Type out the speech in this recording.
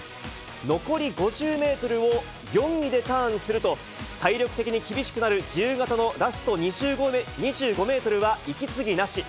残り５０メートルを４位でターンすると、体力的に厳しくなる自由形のラスト２５メートルは息継ぎなし。